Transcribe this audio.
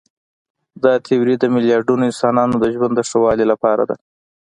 دا تیوري د میلیاردونو انسانانو د ژوند د ښه والي لپاره ده.